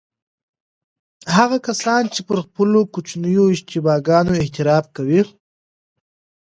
هغه کسان چې پر خپلو کوچنیو اشتباه ګانو اعتراف کوي.